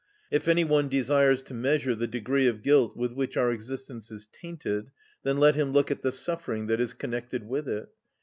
If any one desires to measure the degree of guilt with which our existence is tainted, then let him look at the suffering that is connected with it.